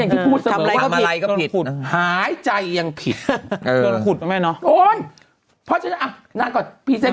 ทำอะไรก็ผิดหายใจยังผิดโดนขุดโดนนานก่อนพี่เท้น